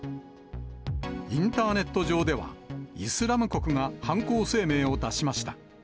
インターネット上では、イスラム国が犯行声明を出しました。